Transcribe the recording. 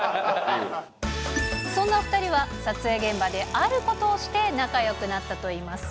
そんな２人は撮影現場であることをして仲よくなったといいます。